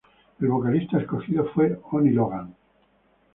El vocalista escogido fue "Oni Logan".